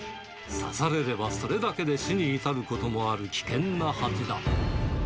刺されればそれだけで死に至ることもある危険なハチだ。